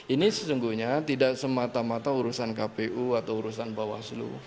ini sesungguhnya tidak semata mata urusan kpu atau urusan bawaslu